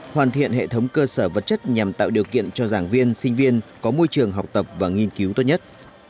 hoàn thiện hệ thống cơ sở vật chất nhằm tạo điều kiện cho giảng viên sinh viên có môi trường học tập và nghiên cứu tốt nhất